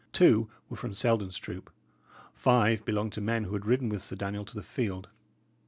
Two were from Selden's troop; five belonged to men who had ridden with Sir Daniel to the field.